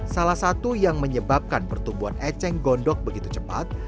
salah satu yang menyebabkan pertumbuhan eceng gondok begitu cepat